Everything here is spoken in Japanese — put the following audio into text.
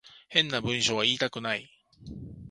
変な文章は言いたくない